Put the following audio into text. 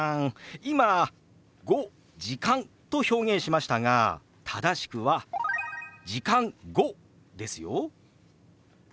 今「５時間」と表現しましたが正しくは「時間５」ですよ。